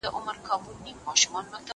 زه به ښوونځی ته تللی وي!!